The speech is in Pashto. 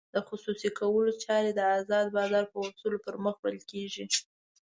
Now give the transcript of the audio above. د خصوصي کولو چارې د ازاد بازار په اصولو پرمخ وړل کېږي.